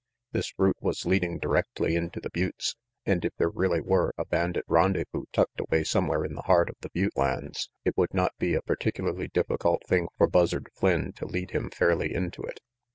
This route was leading directly into the buttes, and if there really were a bandit rendezvous tucked away somewhere in the heart of the butte lands, it would not be a particularly difficult thing for Buzzard Flynn to lead him fairly into it.